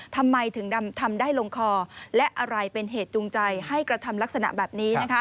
ทำไมถึงทำได้ลงคอและอะไรเป็นเหตุจูงใจให้กระทำลักษณะแบบนี้